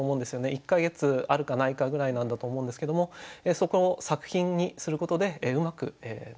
１か月あるかないかぐらいなんだと思うんですけどもそこを作品にすることでうまく残している。